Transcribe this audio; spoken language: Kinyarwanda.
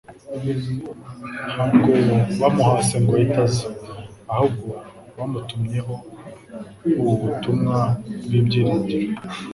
ntabwo bamuhase ngo ahite aza, ahubwo bamutumyeho ubu butumwa bw'ibyiringiro